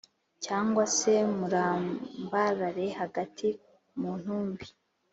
cyangwa se murambarare hagati mu ntumbi.